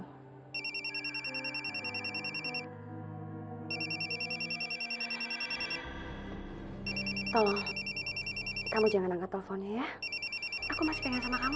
hai tolong kamu jangan angkat teleponnya ya aku masih dengan kamu sayang